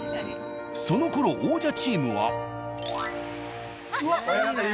そのころ王者チームは。